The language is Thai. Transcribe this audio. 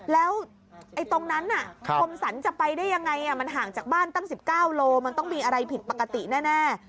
แล้วตรงนั้นคมสรรจะไปได้ยังไงมันห่างจากบ้านตั้ง๑๙โลมันต้องมีอะไรผิดปกติแน่